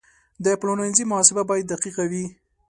د پلورنځي محاسبه باید دقیقه وي.